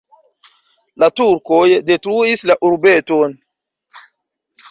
La turkoj detruis la urbeton.